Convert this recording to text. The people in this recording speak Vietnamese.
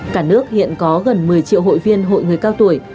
cả nước hiện có gần một mươi triệu hội viên hội người cao tuổi